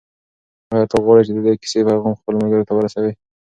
آیا ته غواړې چې د دې کیسې پیغام خپلو ملګرو ته هم ورسوې؟